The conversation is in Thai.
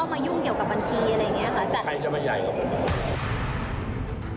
หรือว่าเข้ามายุ่งเกี่ยวกับบัญชีอะไรอย่างนี้ค่ะ